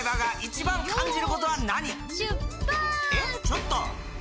ちょっと！